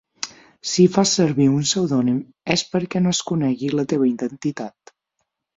Si fas servir un pseudònim és perquè no es conegui la teva identitat.